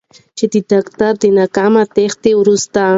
چې داکتر د ناکام تېښتې وروسته